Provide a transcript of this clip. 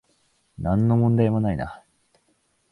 なんの問題もないな